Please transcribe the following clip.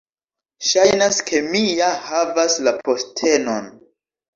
Ŝajnas ke mi ja havas la postenon!